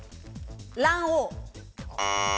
卵黄。